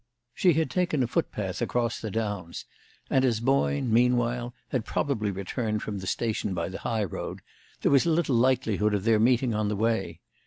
She had taken a foot path across the downs, and as Boyne, meanwhile, had probably returned from the station by the highroad, there was little likelihood of their meeting on the way.